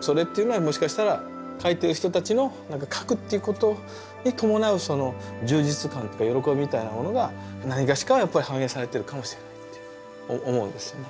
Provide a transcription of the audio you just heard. それっていうのはもしかしたら描いている人たちのなんか描くっていうことに伴うその充実感とか喜びみたいなものがなにがしか反映されてるかもしれないって思うんですよね。